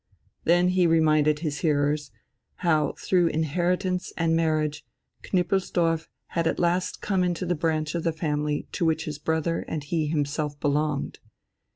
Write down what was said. Then he reminded his hearers how through inheritance and marriage Knüppelsdorf had at last come into the branch of the family to which his brother and he himself belonged.